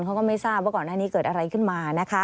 เขาก็ไม่ทราบว่าก่อนหน้านี้เกิดอะไรขึ้นมานะคะ